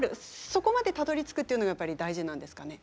そこまでたどりつくっていうのがやっぱり大事なんですかね。